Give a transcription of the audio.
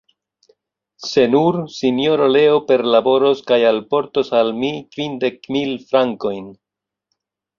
Se nur, Sinjoro Leo perlaboros kaj alportos al mi kvindek mil frankojn.